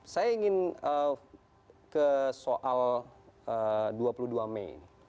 saya ingin ke soal dua puluh dua mei